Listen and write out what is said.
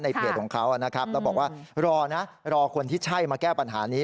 เพจของเขานะครับแล้วบอกว่ารอนะรอคนที่ใช่มาแก้ปัญหานี้